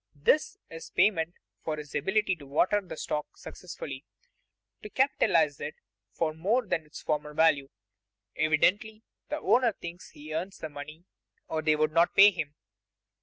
This is payment for his ability to water the stock successfully, to capitalize it for more than its former value. Evidently the owners think he earns the money or they would not pay him.